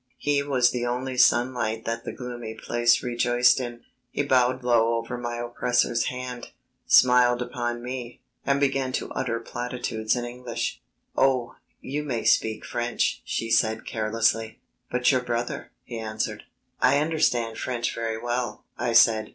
He was the only sunlight that the gloomy place rejoiced in. He bowed low over my oppressor's hand, smiled upon me, and began to utter platitudes in English. "Oh, you may speak French," she said carelessly. "But your brother...." he answered. "I understand French very well," I said.